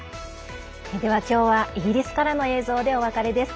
今日は、イギリスからの映像でお別れです。